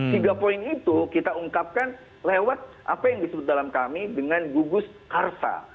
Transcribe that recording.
tiga poin itu kita ungkapkan lewat apa yang disebut dalam kami dengan gugus karsa